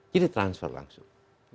jadi transfer langsung